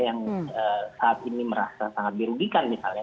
yang saat ini merasa sangat dirugikan misalnya